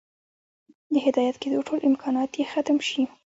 د هدايت كېدو ټول امكانات ئې ختم شي